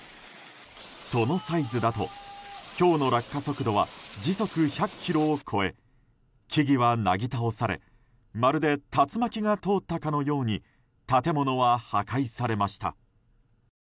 そのサイズだとひょうの落下速度は時速１００キロを超え木々はなぎ倒されまるで竜巻が通ったかのように建物は破壊されました。